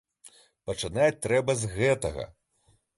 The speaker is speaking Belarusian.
Пачынаць трэба з гэтага.